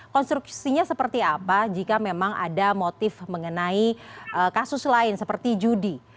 konstruksinya seperti apa jika memang ada motif mengenai kasus lain seperti judi